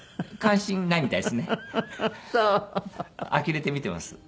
呆れて見てます。